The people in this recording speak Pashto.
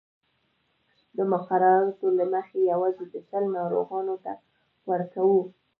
د مقرراتو له مخې یوازې د سِل ناروغانو ته ورکوو.